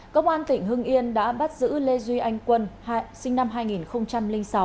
công an tỉnh hưng yên đã bắt giữ lê duy anh quân sinh năm hai nghìn sáu